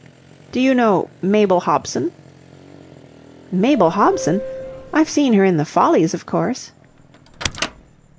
"Do you know Mabel Hobson?" "Mabel Hobson? I've seen her in the 'Follies,' of course."